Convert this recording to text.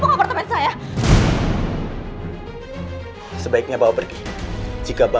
pak tata serventating friend